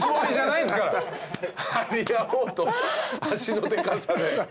張り合おうと足のでかさで。